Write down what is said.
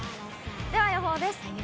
では予報です。